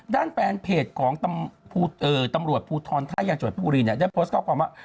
ด้านแปลนเพจของตำรวจภูทรถ้ายังจ่วยภูรีได้โพสต์ก็ออกความว่า